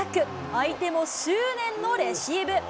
相手も執念のレシーブ。